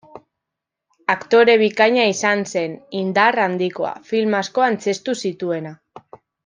Aktore bikaina izan zen, indar handikoa, film asko antzeztu zituena.